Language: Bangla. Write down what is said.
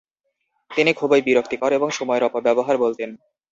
তিনি খুবই বিরক্তিকর এবং সময়ের অপব্যবহার বলতেন।